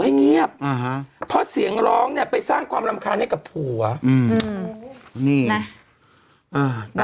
เงียบอ่าฮะเพราะเสียงร้องเนี่ยไปสร้างความรำคาญให้กับผัวอืมนี่นะ